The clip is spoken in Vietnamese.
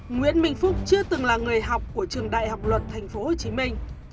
nguyễn minh phúc chưa từng là người học của trường đại học luật thành phố hồ chí minh